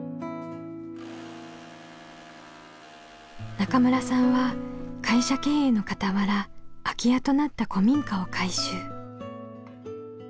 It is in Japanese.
中村さんは会社経営のかたわら空き家となった古民家を改修。